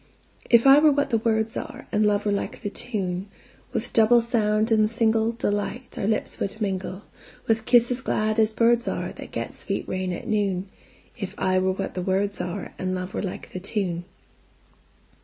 If I were what the words are, And love were like the tune, With double sound and singleDelight our lips would mingle, With kisses glad as birds areThat get sweet rain at noon; If I were what the words areAnd love were like the tune.